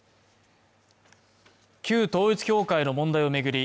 旧統一教会の問題を巡り